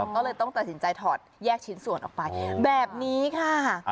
ก็เลยต้องตัดสินใจถอดแยกชิ้นส่วนออกไปแบบนี้ค่ะ